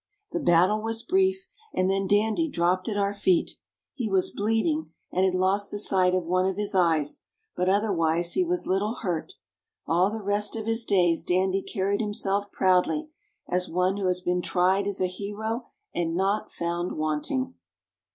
The battle was brief, and then Dandy dropped at our feet. He was bleeding and had lost the sight of one of his eyes, but otherwise he was little hurt. All the rest of his days Dandy carried himself proudly, as one who has been tried as a hero and not found wanting.